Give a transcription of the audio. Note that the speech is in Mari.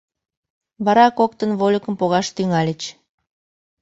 Вара коктын вольыкым погаш тӱҥальыч.